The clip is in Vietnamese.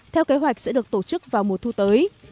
theo kế hoạch sẽ được tổ chức vào mùa thu tới